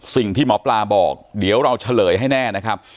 สิ่งที่หมอปลาบอกเดี๋ยวเราเฉลยให้แน่นะครับ